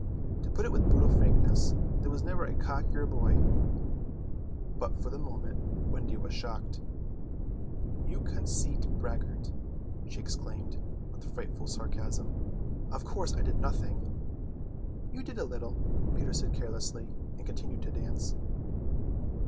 To put it with brutal frankness, there never was a cockier boy. But for the moment Wendy was shocked. "You conceit," she exclaimed, with frightful sarcasm; "of course I did nothing!" "You did a little," Peter said carelessly, and continued to dance.